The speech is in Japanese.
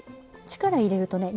力入れるとね